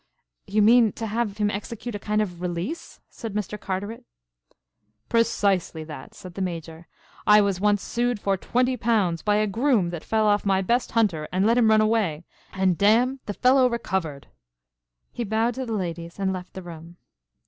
"You mean to have him execute a kind of release?" said Mr. Carteret. "Precisely that," said the Major. "I was once sued for twenty pounds by a groom that fell off my best hunter and let him run away, and damme, the fellow recovered." He bowed to the ladies and left the room.